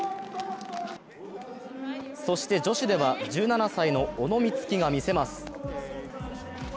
そして女子では、１７歳の小野光希が見せます。